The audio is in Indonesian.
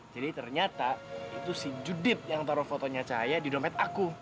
jadi ternyata itu si judit yang taruh fotonya cahaya di dompet aku